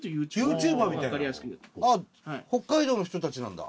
あっ北海道の人たちなんだ。